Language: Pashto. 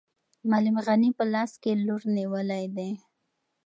معلم غني په لاس کې لور نیولی دی.